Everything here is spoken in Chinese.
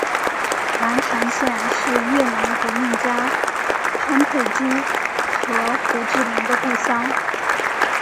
南坛县是越南革命家潘佩珠和胡志明的故乡。